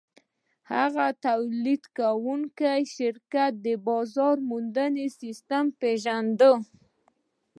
هغه د تولیدوونکي شرکت د بازار موندنې سیسټم وپېژند